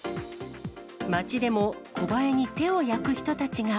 街でもコバエに手を焼く人たちが。